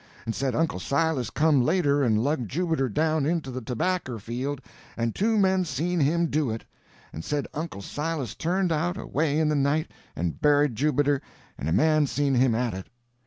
And said Uncle Silas come later and lugged Jubiter down into the tobacker field, and two men seen him do it. And said Uncle Silas turned out, away in the night, and buried Jubiter, and a man seen him at it.